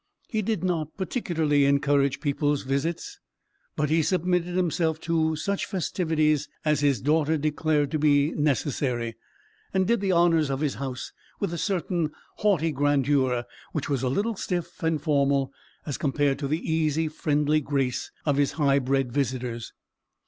He did not particularly encourage people's visits, but he submitted himself to such festivities as his daughter declared to be necessary, and did the honours of his house with a certain haughty grandeur, which was a little stiff and formal as compared to the easy friendly grace of his high bred visitors.